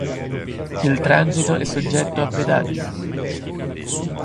Il transito è soggetto a pedaggio.